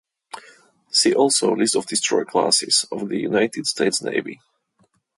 See also List of destroyer classes of the United States Navy.